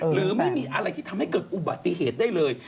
หรือไม่มีอะไรที่ทำให้เกิดอุบัติเหตุได้เลย